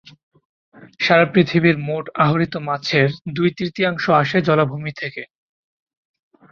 সারা পৃথিবীর মোট আহরিত মাছের দুই তৃতীয়াংশ আসে জলাভূমি থেকে।